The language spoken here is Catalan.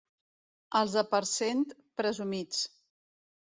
Els de Parcent, presumits.